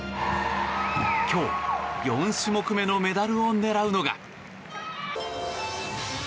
今日、４種目めのメダルを狙うのが。